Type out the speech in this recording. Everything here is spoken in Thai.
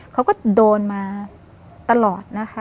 เขาก็โดนมาตลอดนะคะ